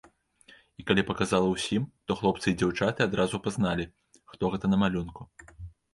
І калі паказала ўсім, то хлопцы і дзяўчаты адразу пазналі, хто гэта на малюнку.